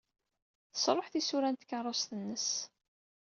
Tesṛuḥ tisura n tkeṛṛust-nnes.